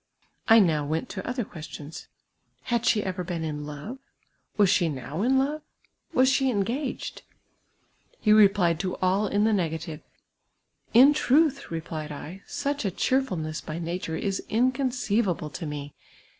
I now went to other questions : Had she ever been in love ? Was she now in love.'* Was she en^j^afjed? He rej)lied to all in the nega tive. "In tnith,*' replied I, "such a cheerfulness by nature is inconceivable to me.